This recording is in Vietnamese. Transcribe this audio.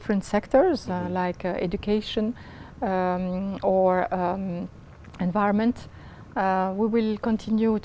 rất quan trọng